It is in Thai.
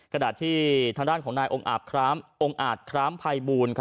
กระดาษที่ทางด้านของนายองค์อาบคิ้ม๑๙๕๐พคองค์อาดคิ้มและคิ้มไพรบูล